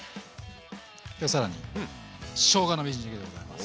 今日更にしょうがのみじん切りでございます。